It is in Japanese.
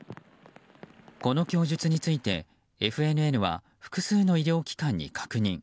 この供述についてＦＮＮは複数の医療機関に確認。